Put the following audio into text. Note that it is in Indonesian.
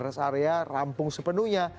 res area rampung sepenuhnya